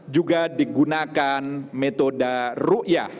juga digunakan metode rukyah